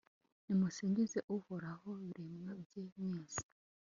nimusingize uhoraho, biremwa bye mwese